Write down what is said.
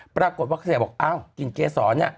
ปรากฏว่าเสียบอกอ้าวกินเกษรเนี่ย